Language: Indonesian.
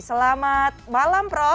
selamat malam prof